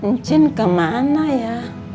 ncin kemana ya